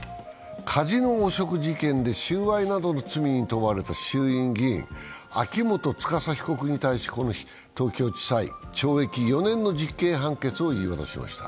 カジノ汚職事件で収賄などの罪に問われた衆院議員、秋元司被告に対しこの日、東京地裁は懲役４年の実刑判決を言い渡しました。